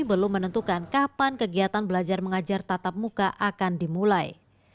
belum menentukan kapan kegiatan belajar mengajar tatap muka akan dimulai